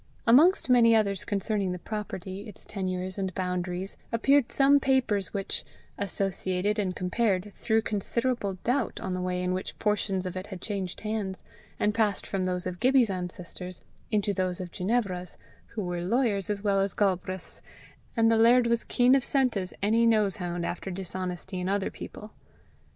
Amongst many others concerning the property, its tenures, and boundaries, appeared some papers which, associated and compared, threw considerable doubt on the way in which portions of it had changed hands, and passed from those of Gibbie's ancestors into those of Ginevra's who were lawyers as well as Galbraiths; and the laird was keen of scent as any nose hound after dishonesty in other people.